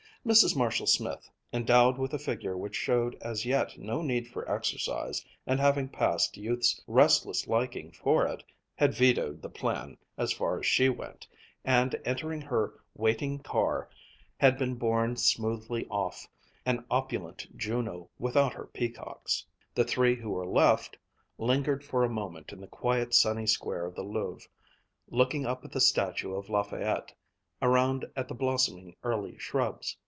Mrs. Marshall Smith, endowed with a figure which showed as yet no need for exercise, and having passed youth's restless liking for it, had vetoed the plan as far as she went, and entering her waiting ear, had been borne smoothly off, an opulent Juno without her peacocks. The three who were left, lingered for a moment in the quiet sunny square of the Louvre, looking up at the statue of Lafayette, around at the blossoming early shrubs.